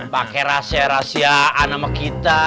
pakai rahasia rahasiaan sama kita